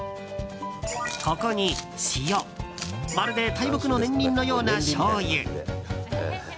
ここに、塩まるで大木の年輪のようなしょうゆ。